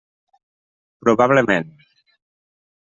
Probablement.